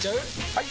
・はい！